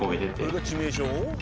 それが致命傷？